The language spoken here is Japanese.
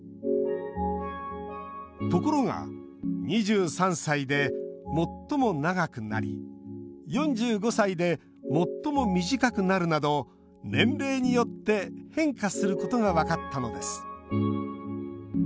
ところが２３歳で最も長くなり４５歳で最も短くなるなど年齢によって変化することが分かったのです